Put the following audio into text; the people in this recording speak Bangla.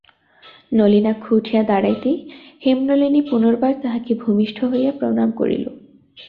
নলিনাক্ষ উঠিয়া দাঁড়াইতেই হেমনলিনী পুনর্বার তাহাকে ভূমিষ্ঠ হইয়া প্রণাম করিল।